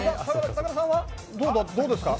武田さんはどうでした？